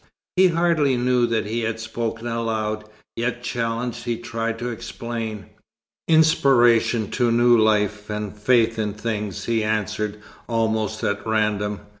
He hardly knew that he had spoken aloud; yet challenged, he tried to explain. "Inspiration to new life and faith in things," he answered almost at random.